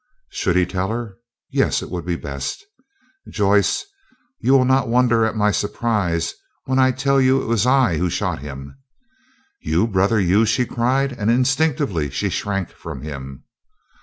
Should he tell her? Yes, it would be best. "Joyce, you will not wonder at my surprise, when I tell you it was I who shot him." "You, brother, you!" she cried, and instinctively she shrank from him.